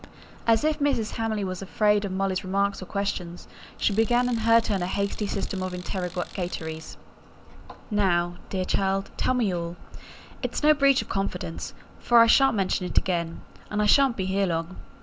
As if Mrs. Hamley was afraid of Molly's remarks or questions, she began in her turn a hasty system of interrogatories. "Now, dear child, tell me all; it's no breach of confidence, for I shan't mention it again, and I shan't be here long.